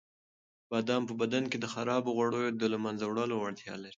بادام په بدن کې د خرابو غوړیو د له منځه وړلو وړتیا لري.